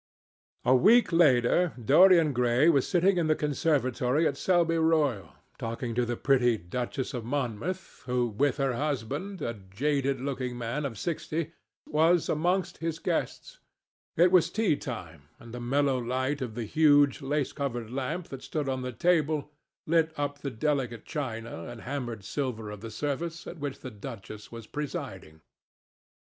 A week later Dorian Gray was sitting in the conservatory at Selby Royal, talking to the pretty Duchess of Monmouth, who with her husband, a jaded looking man of sixty, was amongst his guests. It was tea time, and the mellow light of the huge, lace covered lamp that stood on the table lit up the delicate china and hammered silver of the service at which the duchess was presiding.